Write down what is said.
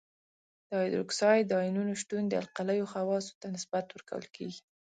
د هایدروکساید د آیونونو شتون د القلیو خواصو ته نسبت ورکول کیږي.